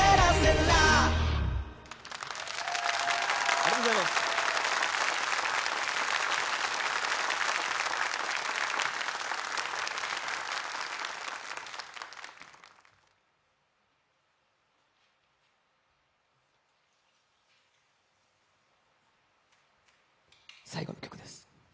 ありがとうございます最後の曲です